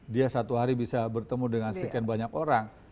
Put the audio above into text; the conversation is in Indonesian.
dia satu hari bisa bertemu dengan sekian banyak orang